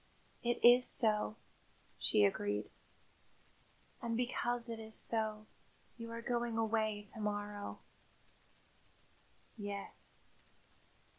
"It is so," she agreed. "And because it is so, you are going away to morrow." "Yes."